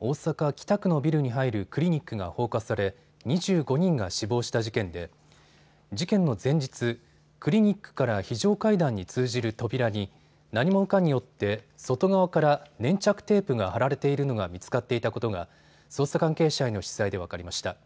大阪北区のビルに入るクリニックが放火され２５人が死亡した事件で事件の前日、クリニックから非常階段に通じる扉に何者かによって外側から粘着テープが貼られているのが見つかっていたことが捜査関係者への取材で分かりました。